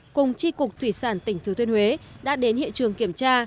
sở tài nguyên và môi trường cùng tri cục thủy sản tỉnh thứ thuyên huế đã đến hiện trường kiểm tra